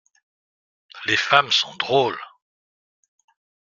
Les femmes sont drôles !